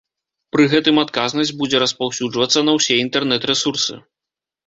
Пры гэтым адказнасць будзе распаўсюджвацца на ўсе інтэрнэт-рэсурсы.